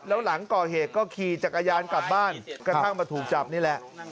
แล้วหลังก่อเหตุก็ขี่จักรยานกลับบ้านกระทั่งมาถูกจับนี่แหละ